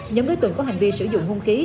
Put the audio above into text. nhóm đối tượng có hành vi sử dụng hung khí